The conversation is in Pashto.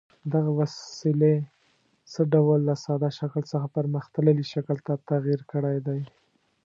دغې وسیلې څه ډول له ساده شکل څخه پرمختللي شکل ته تغیر کړی دی؟